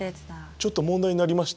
ちょっと問題になりました。